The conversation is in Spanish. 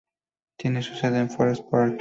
Tiene su sede en Forest Park.